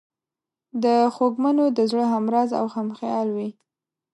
د خوږمنو د زړه همراز او همخیال وي.